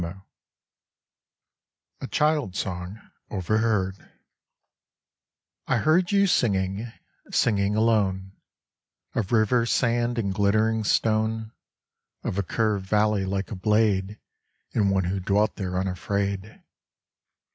87 A CHILD'S SONG OVERHEARD I heard you singing, singing alone Of river sand and glittering stone, Of a curved valley like a blade And one who dwelt there unafraid.